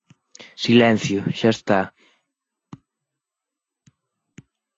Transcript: Silencio, xa está.